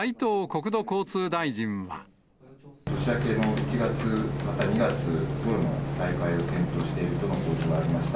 年明けの１月、また２月ごろの再開を検討しているとの一部報道がありました。